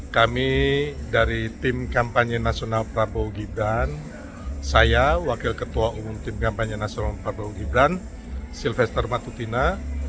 kami dari tim kampanye nasional prabowo gibran saya wakil ketua umum tim kampanye nasional prabowo gibran sylvester matutina